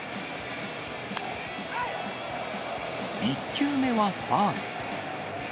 １球目はファウル。